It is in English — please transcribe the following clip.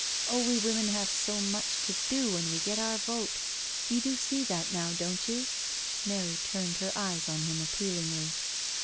Oh, we women have so much to do when we get our votel You do see that now, don't you?*' Mary turned her eyes on him appealingly.